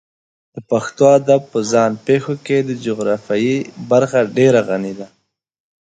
د پښتو ادب په ځان پېښو کې د جغرافیې برخه ډېره غني ده.